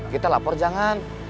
kita lapor jangan